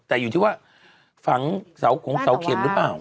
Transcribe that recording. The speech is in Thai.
แต่อยู่ที่ว่าฝังเขาเค็มรึเปล่า